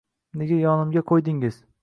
Nega yonimga qo`ydingiz